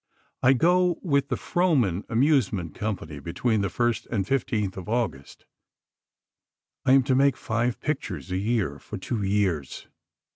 I go with the Frohman Amusement Company, between the 1st and 15th of August. I am to make five pictures a year, for two years.